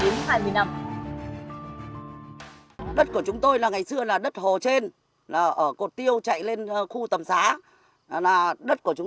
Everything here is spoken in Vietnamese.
đất của chúng tôi là ngày xưa là đất hồ trên ở cột tiêu chạy lên khu tầm xá là đất của chúng